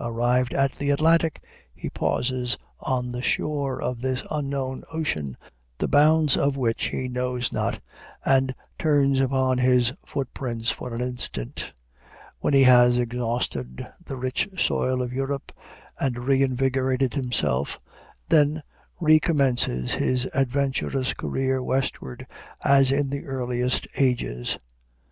Arrived at the Atlantic, he pauses on the shore of this unknown ocean, the bounds of which he knows not, and turns upon his footprints for an instant." When he has exhausted the rich soil of Europe, and reinvigorated himself, "then recommences his adventurous career westward as in the earliest ages."